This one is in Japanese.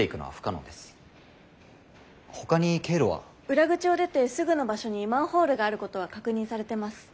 裏口を出てすぐの場所にマンホールがあることは確認されてます。